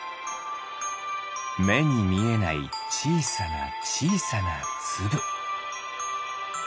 めにみえないちいさなちいさなつぶ。